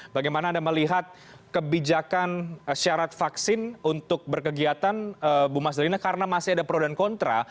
bagaimana anda melihat kebijakan syarat vaksin untuk berkegiatan bu mas dalina karena masih ada pro dan kontra